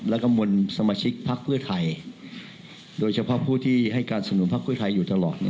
และกระมวลสมาชิกพักเพื่อไทยโดยเฉพาะผู้ที่ให้การสนุนพักเพื่อไทยอยู่ตลอด